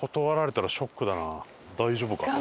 大丈夫かな？